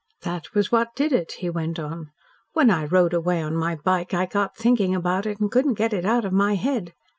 "That was what did it," he went on. "When I rode away on my bike I got thinking about it and could not get it out of my head.